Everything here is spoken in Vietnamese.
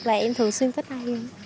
và em thường xuyên thích đây